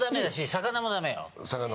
魚もダメ。